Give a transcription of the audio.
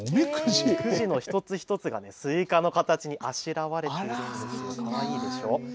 くじの一つ一つがスイカの形にあしらわれているんですよ、かわいいでしょう。